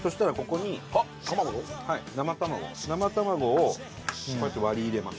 はい生卵生卵をこうやって割り入れます